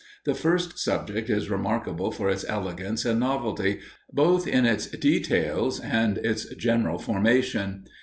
The first subject is remarkable for its elegance and novelty, both in its details and its general formation.